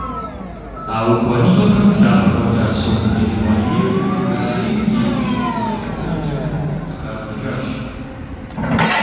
А ухуэныгъэхэм трагъэкӏуэда сом мелуанийр Урысейм и Ипщэ щӏыналъэ фондым къыхагъэкӏащ.